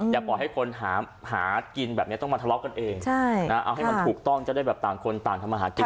อย่าปล่อยให้คนหากินแบบนี้ต้องมาทะเลาะกันเองเอาให้มันถูกต้องจะได้แบบต่างคนต่างทำมาหากิน